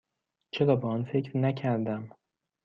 چرا به آن فکر نکردم؟